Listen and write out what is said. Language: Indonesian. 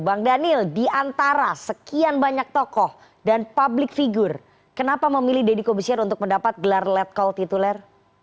bang daniel di antara sekian banyak tokoh dan publik figur kenapa memilih deddy kobusier untuk mendapat gelar letkol tituler